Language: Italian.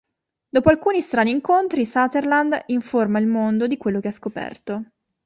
Dopo alcuni strani incontri, Sutherland informa il mondo di quello che ha scoperto.